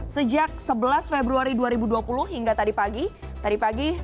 sejak sebelas februari dua ribu dua puluh hingga tadi pagi tadi pagi